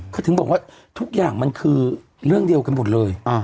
เขาถึงบอกว่าทุกอย่างมันคือเรื่องเดียวกันหมดเลย